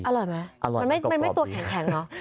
อร่อยไหมมันไม่ตัวแข็งเนอะ